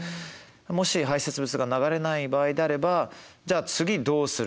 もし排泄物が流れない場合であればじゃあ次どうすることができる。